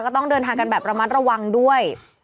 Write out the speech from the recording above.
ก็ต้องเดินทางกันแบบระมัดระวังด้วย